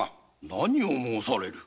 なにを申される。